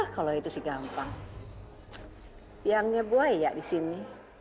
oh kalau itu sih gampang yangnya buaya di sini